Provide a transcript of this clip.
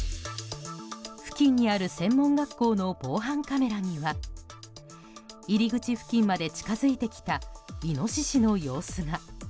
付近にある専門学校の防犯カメラには入り口付近まで近づいてきたイノシシの様子が。